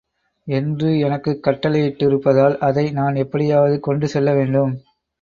என்று எனக்குக் கட்டளையிட்டிருப்பதால், அதை நான் எப்படியாவது கொண்டுசெல்ல வேண்டும்.